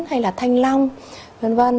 hay là thanh long vân vân